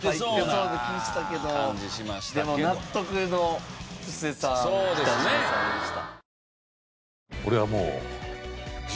でも納得の布施さん北島さんでした。